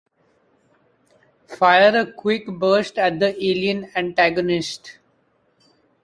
Fire a quick burst at the alien antagonists.